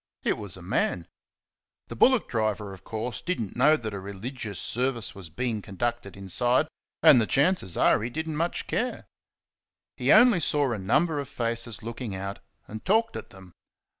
It was a man. The bullock driver, of course, did n't know that a religious service was being conducted inside, and the chances are he did n't much care. He only saw a number of faces looking out, and talked at them.